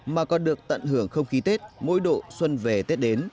mà còn được tận hưởng không khí tết mỗi độ xuân về tết đến